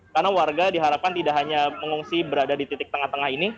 karena warga diharapkan tidak hanya mengungsi berada di titik tengah tengah ini